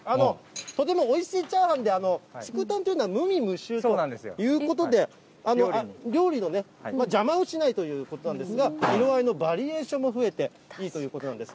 とてもおいしいチャーハンで、竹炭というのは無味無臭ということなので、料理のね、邪魔をしないということなんですが、色合いのバリエーションも増えて、いいということなんです。